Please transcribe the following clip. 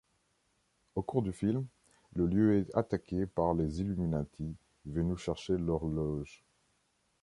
Au cours du film, le lieu est attaqué par les Illuminatis, venus chercher l'Horloge.